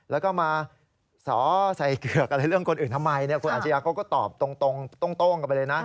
แล้วก็มาสอใส่เกือกอะไรเรื่องคนอื่นทำไมคุณอาชญาเขาก็ตอบตรงโต้งกันไปเลยนะ